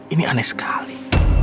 ini aneh sekali